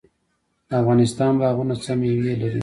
د افغانستان باغونه څه میوې لري؟